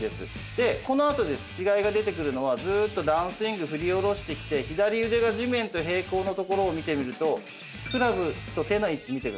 でこのあとです違いが出てくるのはずーっとダウンスイング振り下ろしてきて左腕が地面と平行の所を見てみるとクラブと手の位置見てください。